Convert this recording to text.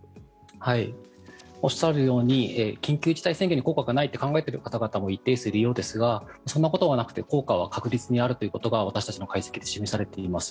おっしゃるように緊急事態宣言に効果がないと考えている方も一定数いるようですがそんなことはなくて効果は確実にあるということが私たちの解析で示されています。